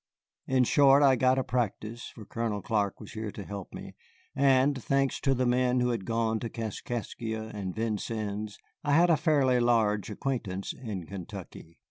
In short, I got a practice, for Colonel Clark was here to help me, and, thanks to the men who had gone to Kaskaskia and Vincennes, I had a fairly large acquaintance in Kentucky.